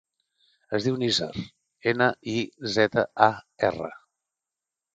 Es diu Nizar: ena, i, zeta, a, erra.